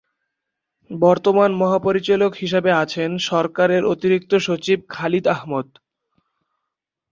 বর্তমান মহাপরিচালক হিসেবে আছেন সরকারের অতিরিক্ত সচিব খলিল আহমদ।